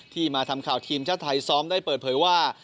มาทำข่าวทีมชาติไทยซ้อมได้เปิดเผยว่า